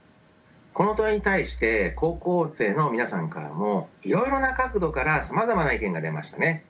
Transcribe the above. この問いに対して高校生の皆さんからもいろいろな角度からさまざまな意見が出ましたね。